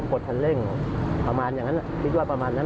กดคันเร่งประมาณอย่างนั้นคิดว่าประมาณนั้น